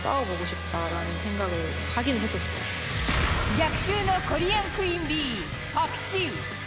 逆襲のコリアンクイーンビーパク・シウ。